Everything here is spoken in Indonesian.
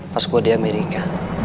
pas gue di amerika